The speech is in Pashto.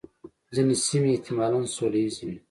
ځینې سیمې احتمالاً سوله ییزې وې.